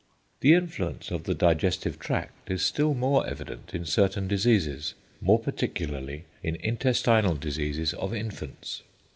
The influence of the digestive tract is still more evident in certain diseases, more particularly in intestinal diseases of infants.